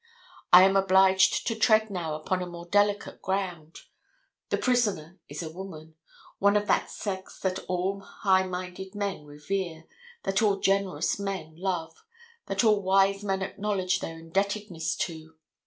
I am obliged to tread now upon a more delicate ground. The prisoner is a woman, one of that sex that all high minded men revere, that all generous men love, that all wise men acknowledge their indebtedness to.